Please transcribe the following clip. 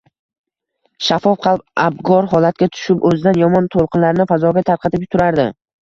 shaffof qalb abgor holatga tushib, o‘zidan yomon to‘lqinlarni fazoga tarqatib turardi.